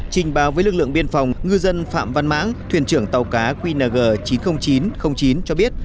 trình báo với lực lượng biên phòng ngư dân phạm văn mãng thuyền trưởng tàu cá qng chín mươi nghìn chín trăm linh chín cho biết